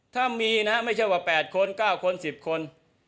ถ้ามีนะไม่ใช่ว่า๘คน๙คน๑๐คน